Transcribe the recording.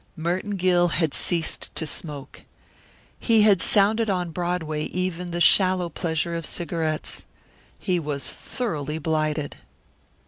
Merton Gill had ceased to smoke. He had sounded on Broadway even the shallow pleasure of cigarettes. He was thoroughly blighted.